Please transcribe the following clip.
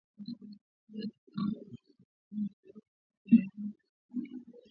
Kukosa kula au kunywa